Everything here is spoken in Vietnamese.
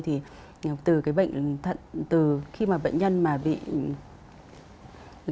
thì từ cái bệnh thận từ khi mà bệnh nhân mà bị